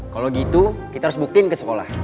kalau gitu kita harus buktiin ke sekolah